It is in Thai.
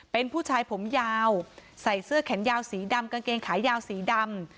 เป็นผู้ชายผมยาวใส่เสื้อแขนยาวสีดำกางเกงขายาวสีดำ